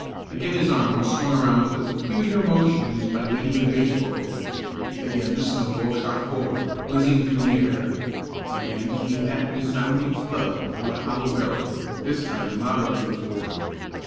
Again his arm was swung around with the peculiar motion used by many good baseball pitchers. Again the snowball shot forward, whizzing through the air. Again came that resounding thud on the hollow barrel, this time louder than before.